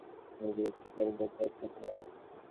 তিনি বিদ্যাপতির পদ গেয়ে তাকে স্বাগত জানান।